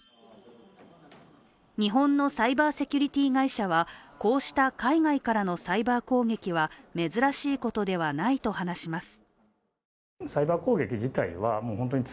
日本のサイバーセキュリティー会社はこうした海外からのサイバー攻撃は珍しいことではないと話します。